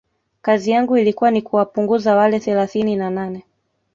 kazi yangu ilikuwa ni kuwapunguza wale thelathini na nane